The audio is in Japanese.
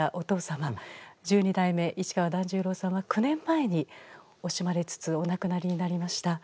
十二代目市川團十郎さんは９年前に惜しまれつつお亡くなりになりました。